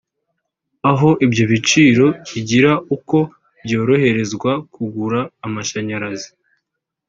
aho ibyo byiciro bigira uko byoroherezwa kugura amashanyarazi